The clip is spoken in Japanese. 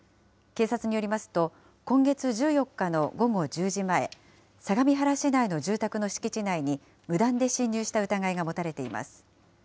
警察によりますと、今月１４日の午後１０時前、相模原市内の住宅の敷地内に、無断で侵入した疑いが持たれています。